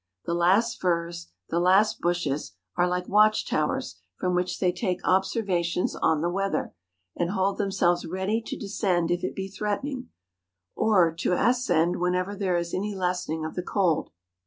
The last firs, the last bushes, are like watch towers from which they take observa¬ tions on the weather, and hold themselves ready to descend if it be threatening, or to ascend whenever there is any lessening of the cold.